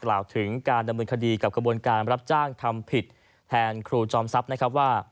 กล่าวถึงการดำเนินคดีกับกระบวนการรับจ้างทำผิดแทนครูจอมทรัพย์นะครับว่า